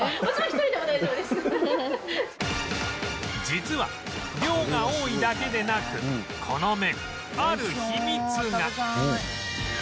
実は量が多いだけでなくこの麺ある秘密が